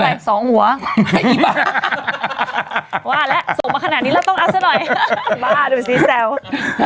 ว่าแล้วส่งมาขนาดนี้แล้วต้องอัดซะหน่อย